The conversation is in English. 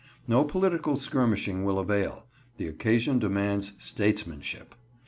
No political skirmishing will avail. The occasion demands statesmanship.